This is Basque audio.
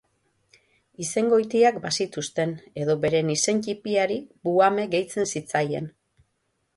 Izengoitiak bazituzten, edo beren izen ttipiari buhame gehitzen zitzaien.